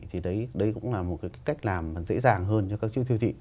thì đấy cũng là một cái cách làm dễ dàng hơn cho các chuỗi siêu thị